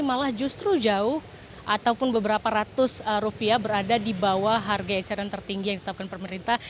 malah justru jauh ataupun beberapa ratus rupiah berada di bawah harga eceran tertinggi yang ditetapkan pemerintah